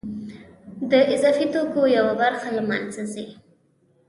د اضافي توکو یوه برخه له منځه ځي